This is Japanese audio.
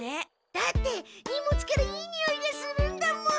だって荷物からいいにおいがするんだもん。